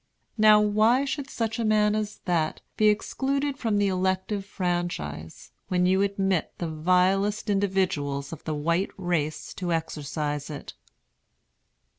Now, why should such a man as that be excluded from the elective franchise, when you admit the vilest individuals of the white race to exercise it?"